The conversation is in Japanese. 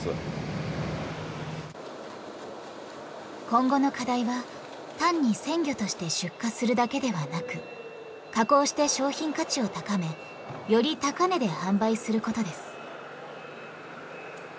今後の課題は単に鮮魚として出荷するだけではなく加工して商品価値を高めより高値で販売することです。